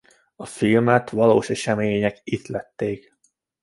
A filmet valós események ihlették.